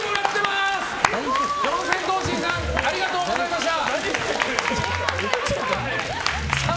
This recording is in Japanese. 四千頭身さんありがとうございました。